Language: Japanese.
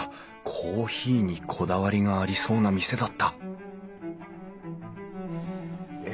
コーヒーにこだわりがありそうな店だったえ